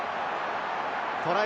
トライ